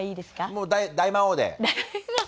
もう大魔王で。